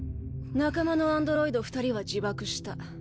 仲間のアンドロイド２人は自爆した。